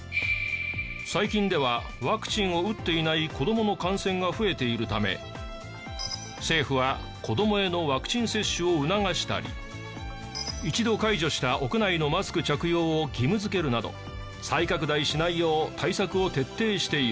最近ではワクチンを打っていない子どもの感染が増えているため政府は子どもへのワクチン接種を促したり一度解除した屋内のマスク着用を義務づけるなど再拡大しないよう対策を徹底している。